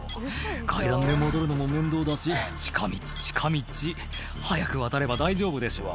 「階段で戻るのも面倒だし近道近道」「早く渡れば大丈夫でしょう」